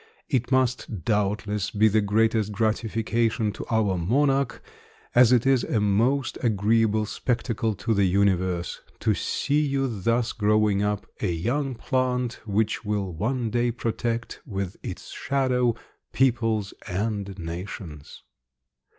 It must, doubtless, be the greatest gratification to our monarch, as it is a most agreeable spectacle to the universe, to see you thus growing up, a young plant which will one day protect with its shadow peoples and nations.